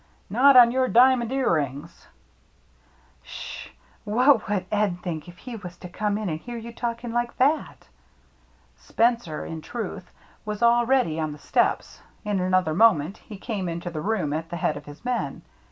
Not on your diamond ear rings !"" Sh ! What would Ed think if he was to come in and hear you talking like that ?" Spencer, in truth, was already on the steps ; in. another moment he came into the room at the head of his men.